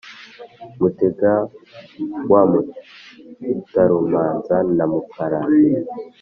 mutega wa mutarumanza na mukarange